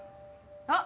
あっ！